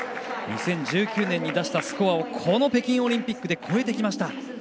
２０１９年に出したスコアをこの北京オリンピックで超えてきました。